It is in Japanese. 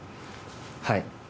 はい。